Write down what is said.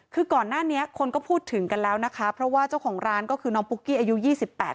คือก่อนหน้านี้คนก็พูดถึงกันแล้วนะคะเพราะว่าเจ้าของร้านก็คือน้องปุ๊กกี้อายุยี่สิบแปด